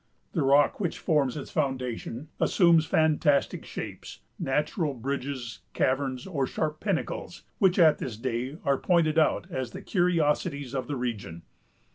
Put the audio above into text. The rock which forms its foundation assumes fantastic shapes——natural bridges, caverns, or sharp pinnacles, which at this day are pointed out as the curiosities of the region.